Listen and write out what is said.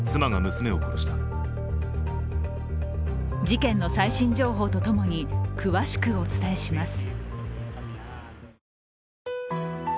事件の最新情報とともに詳しくお伝えします。